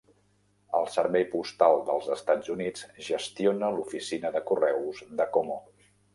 El Servei Postal del Estats Units gestiona l'oficina de correus de Como.